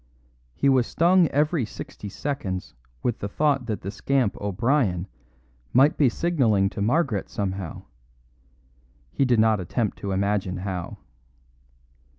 He was stung every sixty seconds with the thought that the scamp O'Brien might be signalling to Margaret somehow; he did not attempt to imagine how.